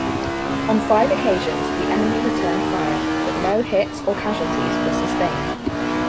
On five occasions the enemy returned fire, but no hits or casualties were sustained.